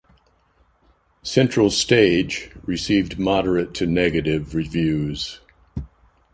"Center Stage" received moderate to negative reviews.